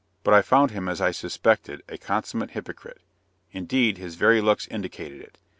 But I found him, as I suspected, a consummate hypocrite; indeed, his very looks indicated it.